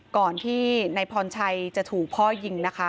ก่อนที่นายพรชัยจะถูกพ่อยิงนะคะ